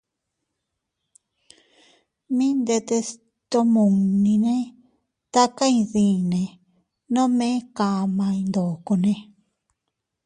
Mi ndetes tomunnine taka gndiyinne nome kaʼmay ndokone.